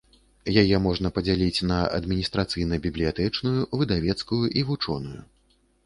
Яе можна падзяліць на адміністрацыйна бібліятэчную, выдавецкую і вучоную.